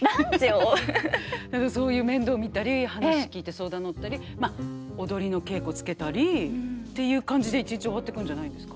何かそういう面倒見たり話聞いて相談に乗ったりまあ踊りの稽古つけたりっていう感じで一日終わってくんじゃないんですか。